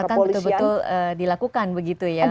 akan betul betul dilakukan begitu ya